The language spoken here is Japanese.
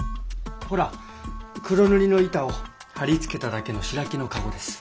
ほら黒塗りの板を張り付けただけの白木の駕籠です。